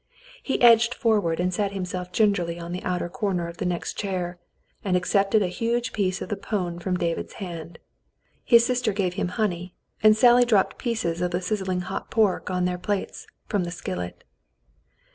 He edged forward and sat himself gingerly on the outer corner of the next chair, and accepted a huge piece of the pone from David's hand. His sister gave him honey, and Sally dropped pieces of the sizzling hot pork on their plates, from the skillet.